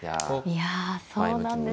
いやそうなんですね。